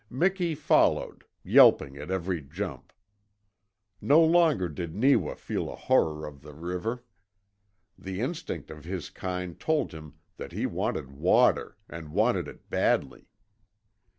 Miki followed, yelping at every jump. No longer did Neewa feel a horror of the river. The instinct of his kind told him that he wanted water, and wanted it badly.